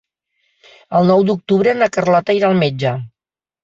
El nou d'octubre na Carlota irà al metge.